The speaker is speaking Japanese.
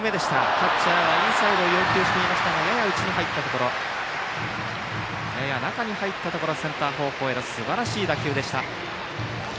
キャッチャーはインサイドを要求していましたがやや中に入ったところでセンター方向へのすばらしい打球でした。